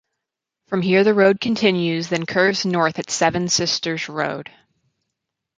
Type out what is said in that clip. From here the road continues then curves north at Seven Sisters Road.